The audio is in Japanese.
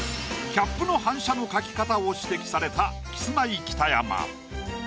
キャップの反射の描き方を指摘されたキスマイ北山。